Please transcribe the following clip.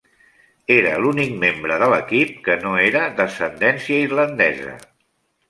Era l'únic membre de l'equip que no era d'ascendència islandesa.